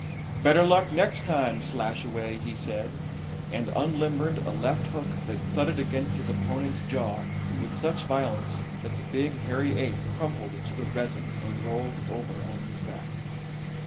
"Better luck next time, Slashaway," he said, and unlimbered a left hook that thudded against his opponent's jaw with such violence that the big, hairy ape crumpled to the resin and rolled over on his back.